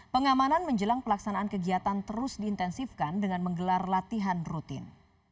pengamanan menjelang pelaksanaan kegiatan terus diintensifkan dengan menggelar latihan rutin